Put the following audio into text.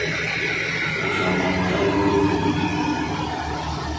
I shall not tell you again.